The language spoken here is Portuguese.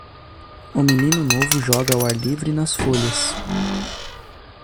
O menino novo joga ao ar livre nas folhas.